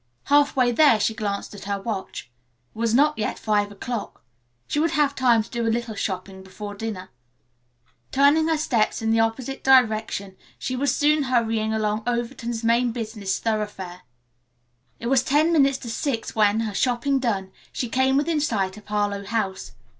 Half way there she glanced at her watch. It was not yet five o'clock. She would have time to do a little shopping before dinner. Turning her steps in the opposite direction she was soon hurrying along Overton's main business thoroughfare. It was ten minutes to six when, her shopping done, she came within sight of Harlowe House.